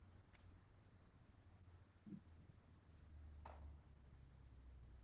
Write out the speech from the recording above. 光复前光复后